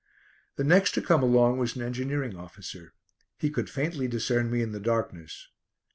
The next to come along was an engineering officer. He could faintly discern me in the darkness.